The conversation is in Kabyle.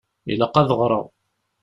Ilaq ad ɣṛeɣ.